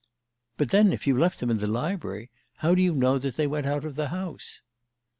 "But then, if you left them in the library, how do you know that they went out of the house?"